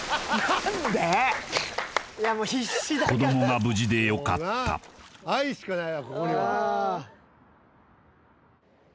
子供が無事でよかった愛しかないわ